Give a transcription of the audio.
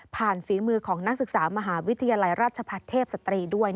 ฝีมือของนักศึกษามหาวิทยาลัยราชพัฒน์เทพสตรีด้วย